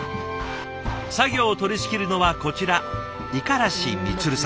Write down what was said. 作業を取りしきるのはこちら五十嵐充さん。